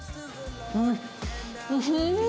うん！